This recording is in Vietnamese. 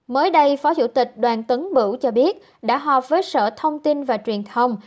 mới đây phó chủ tịch đoàn tấn bửu cho biết đã họp với sở thông tin và truyền thông